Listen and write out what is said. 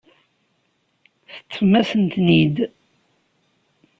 Teṭṭfemt-asent-ten-id.